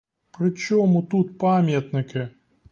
При чому тут пам'ятники?!